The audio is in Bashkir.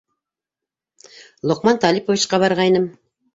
Лоҡман Талиповичҡа барғайным.